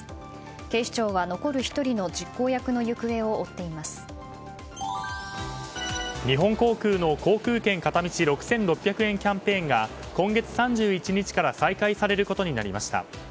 警視庁は残る１人の実行役の行方を日本航空の航空券片道６６００円キャンペーンが今月３１日から再開されることになりました。